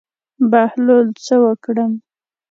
بهلوله څه وکړم.